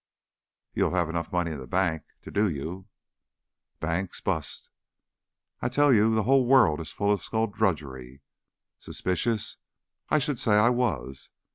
"You'll have enough money in bank to do you." "Banks bust. I tell you the hull world's full of skullduggery. Suspicious? I should say I was!